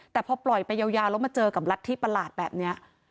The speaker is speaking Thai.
แต่พอปล่อยไปยาวแล้วมาเจอกับรัฐธิประหลาดแบบนี้